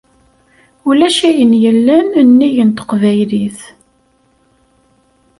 Ulac ayen yellan nnig n teqbaylit!